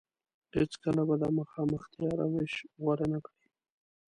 هېڅ کله به د مخامختيا روش غوره نه کړي.